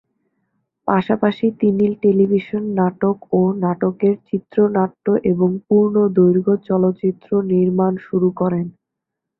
পাশাপাশি তিনি টেলিভিশন নাটক ও নাটকের চিত্রনাট্য এবং পূর্ণদৈর্ঘ্য চলচ্চিত্র নির্মাণ শুরু করেন।